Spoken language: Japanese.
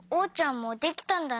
もうできたんだね。